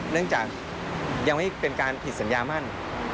เนื่องจากยังไม่เป็นการผิดสัญญามั่น